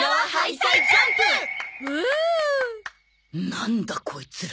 なんだこいつら。